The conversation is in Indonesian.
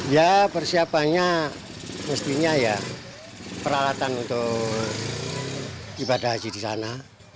ya persiapannya mestinya ya peralatan untuk ibadah haji di sana